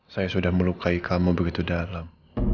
saya sudah melukai kamu begitu dalam